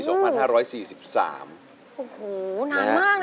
โอ้โหนานมากนะ๑๖ปี